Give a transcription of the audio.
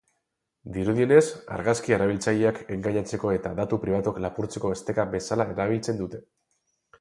Dirudienez, argazkia erabiltzaileak engainatzeko eta datu pribatuak lapurtzeko esteka bezala erabiltzen dute.